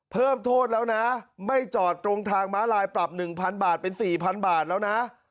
เพิ่มโทษแล้วนะไม่จอดตรงทางม้าลายปรับ๑๐๐บาทเป็น๔๐๐บาทแล้วนะ